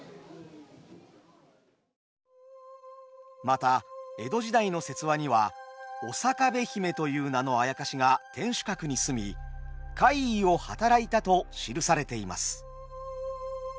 また江戸時代の説話にはおさかべ姫という名のあやかしが天守閣に棲み怪異をはたらいたと記されています。